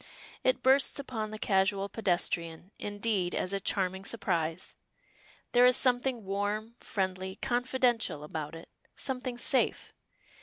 It bursts upon the casual pedestrian, indeed, as a charming surprise. There is something warm, friendly, confidential about it something safe.